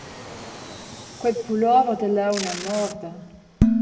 Quei pullover da launa morda.